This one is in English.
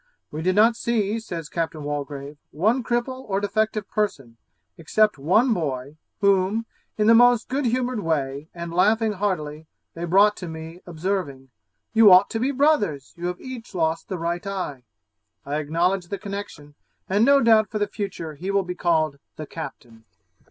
'We did not see,' says Captain Waldegrave, 'one cripple or defective person, except one boy, whom, in the most good humoured way, and laughing heartily, they brought to me, observing, "You ought to be brothers, you have each lost the right eye." I acknowledged the connexion, and no doubt for the future he will be called the Captain.'